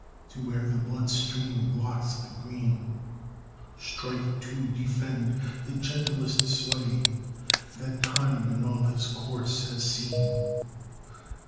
To where the blood stream blots the green. Strike to defend the gentlest sway That Time in all his course has seen.